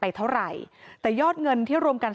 และมีการเก็บเงินรายเดือนจริง